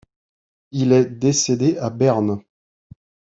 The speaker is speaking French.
Il est décédé à Berne.